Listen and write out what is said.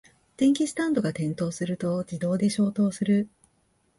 電気スタンドが転倒すると自動で消灯する